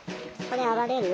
これ上がれる？